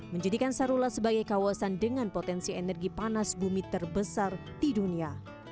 menjadikan sarula sebagai kawasan dengan potensi energi panas bumi terbesar di dunia